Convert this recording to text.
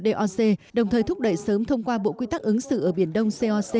đồng thời thúc đẩy sớm thông qua bộ quy tắc ứng xử ở biển đông